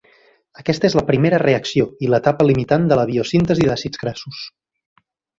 Aquesta és la primera reacció i l’etapa limitant de la biosíntesi d’àcids grassos.